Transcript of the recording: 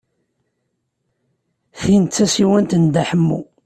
Tin d tasiwant n Dda Ḥemmu.